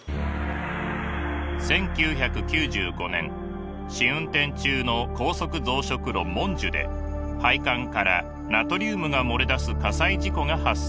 １９９５年試運転中の高速増殖炉「もんじゅ」で配管からナトリウムが漏れ出す火災事故が発生。